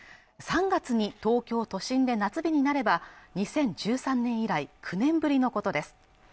３月に東京都心で夏日になれば２０１３年以来９年ぶりのことです